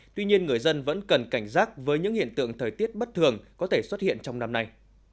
tuy nhiên người dân vẫn cần cảnh giác với những hiện tượng thời tiết bất thường có thể xuất hiện trong năm nay